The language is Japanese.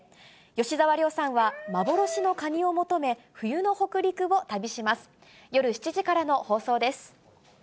吉沢亮さんは幻のカニを求め、冬の北陸を旅します。